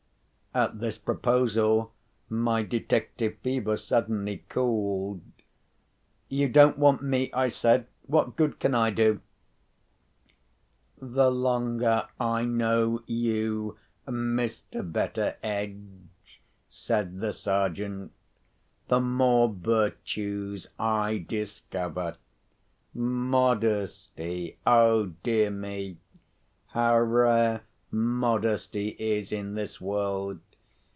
At this proposal, my detective fever suddenly cooled. "You don't want me," I said. "What good can I do?" "The longer I know you, Mr. Betteredge," said the Sergeant, "the more virtues I discover. Modesty—oh dear me, how rare modesty is in this world!